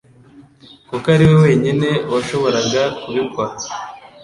kuko ariwe wenyine washoboraga kubikora